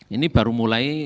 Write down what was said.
ini baru mulai